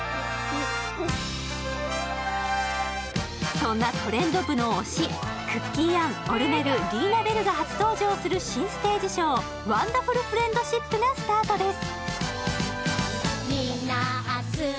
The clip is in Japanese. そんなトレンドブの推し、クッキー・アン、オル・メル、リーナ・ベルが初登場する新ステージショー、ワンダフル・フレンドシップがスタートです。